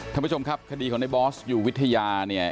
ท่านผู้ชมครับคดีของในบอสอยู่วิทยาเนี่ย